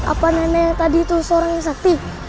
apa nenek yang tadi itu seorang yang sakti